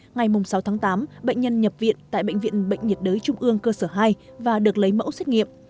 ngày sáu tháng tám bệnh nhân nhập viện tại bệnh viện bệnh nhiệt đới trung ương cơ sở hai và được lấy mẫu xét nghiệm